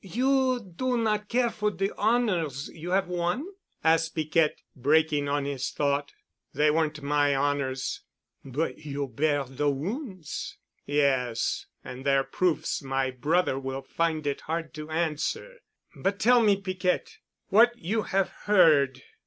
"You do not care for de honors you have won?" asked Piquette, breaking on his thought. "They weren't my honors——" "But you bear de wounds——" "Yes, and they're proofs my brother will find it hard to answer. But tell me, Piquette, what you have heard.